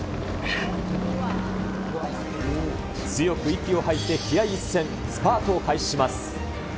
強く息を吐いて、気合いいっせん、スパートを開始します。